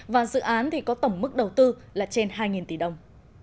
và dự án có tổng mức đầu tư là trên hai tỷ đồng